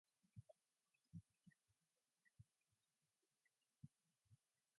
Which is it to be?